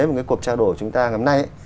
một cái cuộc trao đổi chúng ta ngày hôm nay